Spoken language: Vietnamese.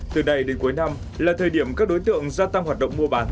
từ nay đến cuối năm là thời điểm các đối tượng gia tăng hoạt động mua bán